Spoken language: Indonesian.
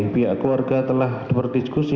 biar keluarga telah diperdiskriminasi